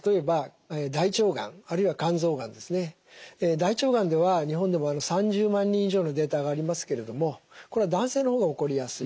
大腸がんでは日本でも３０万人以上のデータがありますけれどもこれは男性の方が起こりやすい。